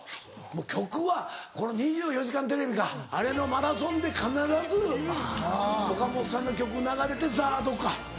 曲はこの『２４時間テレビ』かあれのマラソンで必ず岡本さんの曲流れてＺＡＲＤか。